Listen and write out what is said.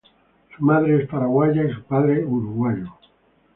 Su madre es paraguaya, y su padre uruguayo.